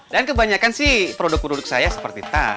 dan kebanyakan sih produk produk saya seperti tadi